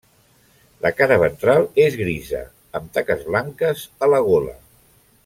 La cara ventral és grisa amb taques blanques a la gola.